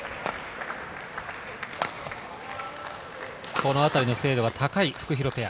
このあたりの精度が高いフクヒロペア。